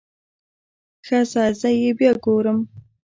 ښه ځه زه يې بيا ګورم.